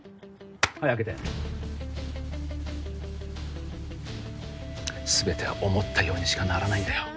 はい開けて全て思ったようにしかならないんだよ